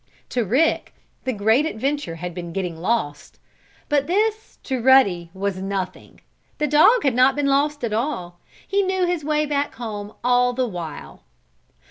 To Rick the great adventure had been getting lost, but this, to Ruddy, was nothing. The dog had not been lost at all. He knew his way back home all the while.